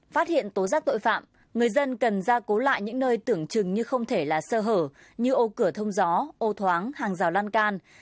phát hiện tố giác tội phạm người dân cần ra cố lại những nơi tưởng chừng như không thể là sơ hở như ô cửa thông gió ô thoáng hàng rào lan can